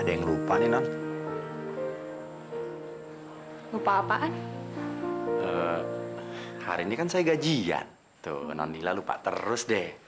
tuh nonnila lupa terus deh